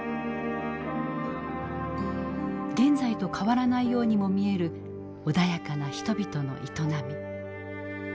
現在と変わらないようにも見える穏やかな人々の営み。